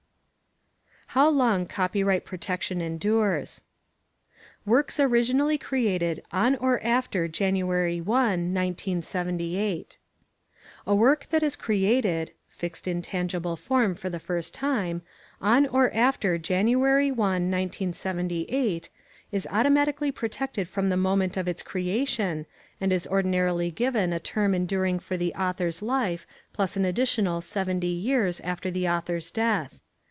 HOW LONG COPYRIGHT PROTECTION ENDURES Works Originally Created on or after January 1, 1978 A work that is created (fixed in tangible form for the first time) on or after January 1, 1978, is automatically protected from the moment of its creation and is ordinarily given a term enduring for the author's life plus an additional 70 years after the author's death.